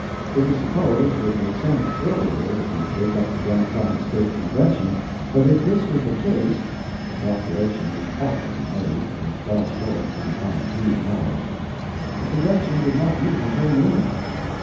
It is supposed it was sent earlier, to shake up the Democratic State Convention, but if this was the case, the calculation was awkwardly made, for it fell short by about two hours. The Convention did not meet until noon.